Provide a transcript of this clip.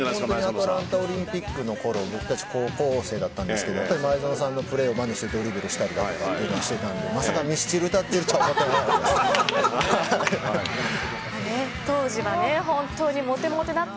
アトランタオリンピックの頃僕たち高校生だったんですが前園さんのプレーをまねしてドリブルをしたりまさかミスチル歌ってると思っていなかった。